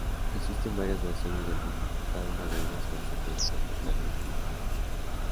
Existen varias versiones del mismo, cada una de ellas con secuencias totalmente distintas.